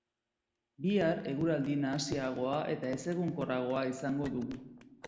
Bihar eguraldi nahasiagoa eta ezegonkorragoa izango dugu.